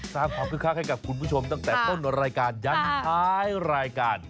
สร้างความคึกคักให้กับคุณผู้ชมตั้งแต่ต้นรายการยันท้ายรายการ